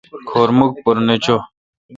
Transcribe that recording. کھور مکھ پر نہ چو۔